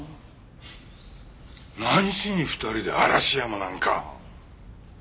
フンッ何しに２人で嵐山なんか。